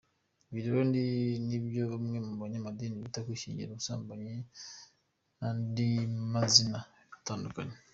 Ibi rero nibyo bamwe mu banyamadini bita kwishyingira, ubusambanyi n’andi mazina atandukanye.